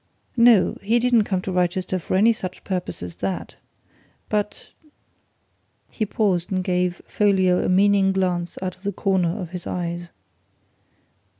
No he didn't come to Wrychester for any such purpose as that! But " He paused and gave Folliot a meaning glance out of the corner of his eyes.